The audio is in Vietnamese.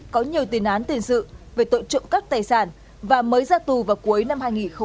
có nhiều tiền án tiền sự về tội trộm cắp tài sản và mới ra tù vào cuối năm hai nghìn một mươi chín